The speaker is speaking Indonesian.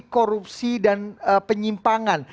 korupsi dan penyimpangan